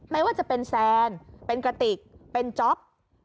ไม่ว่าจะเป็นแซนเป็นกระติกเป็นจ๊อป